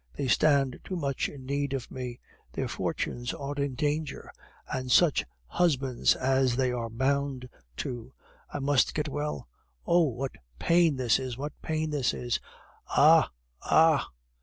They stand too much in need of me; their fortunes are in danger. And such husbands as they are bound to! I must get well! (Oh! what pain this is! what pain this is! ... ah! ah!)